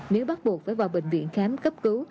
nếu bắt buộc phải vào bệnh viện khám cấp cứu